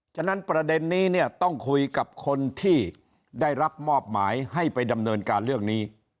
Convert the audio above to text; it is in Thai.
ฉะนั้นประเด็นนี้เนี่ยต้องคุยกับคนที่ได้รับมอบหมายให้ไปดำเนินการเรื่องนี้